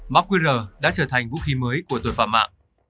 mark weirer đã trở thành vũ khí mới của tội phạm mạng